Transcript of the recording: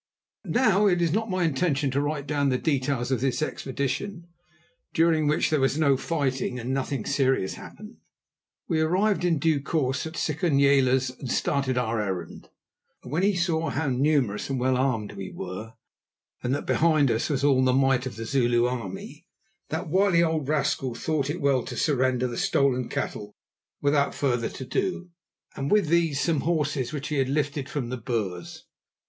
Now it is not my intention to write down the details of this expedition, during which there was no fighting and nothing serious happened. We arrived in due course at Sikonyela's and stated our errand. When he saw how numerous and well armed we were, and that behind us was all the might of the Zulu army, that wily old rascal thought it well to surrender the stolen cattle without further to do, and with these some horses which he had lifted from the Boers.